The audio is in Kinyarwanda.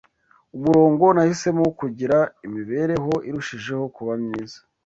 umurongo nahisemo wo kugira imibereho irushijeho kuba myiza